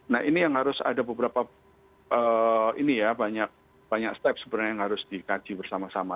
nah ini yang harus ada beberapa banyak step sebenarnya yang harus dikaji bersama sama